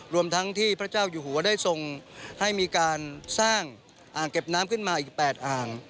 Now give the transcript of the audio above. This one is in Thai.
รวมทั้งที่พระเจ้าอยู่หัวได้ทรงให้มีการสร้างอ่างเก็บน้ำขึ้นมาอีก๘อ่าง